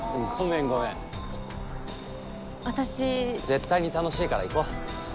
絶対に楽しいから行こう。